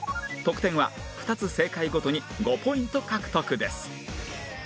得点は２つ正解ごとに５ポイント獲得です